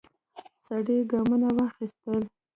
سړی ګامونه واخیستل.